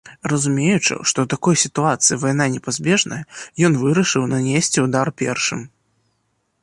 Разумеючы, што ў такой сітуацыі вайна непазбежная, ён вырашыў нанесці ўдар першым.